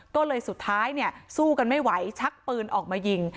ก็เลยสุดท้ายสู้กันไม่ไหวชักปืนออกมายิง